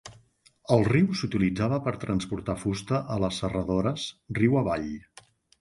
El riu s'utilitzava per transportar fusta a les serradores riu avall.